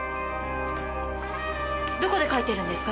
どこで描いてるんですか？